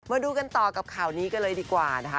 มาดูกันต่อกับข่าวนี้กันเลยดีกว่านะคะ